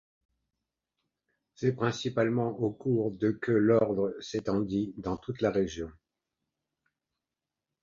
C'est principalement au cours de que l'ordre s'étendit dans toute la région.